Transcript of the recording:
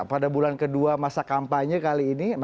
pada bulan kedua masa kampanye kali ini